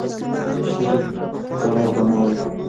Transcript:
شريف ځواب ونه وايه.